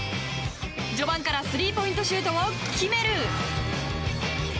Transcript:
序盤からスリーポイントシュートを決める。